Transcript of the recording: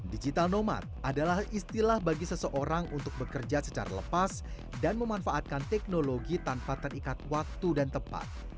digital nomad adalah istilah bagi seseorang untuk bekerja secara lepas dan memanfaatkan teknologi tanpa terikat waktu dan tepat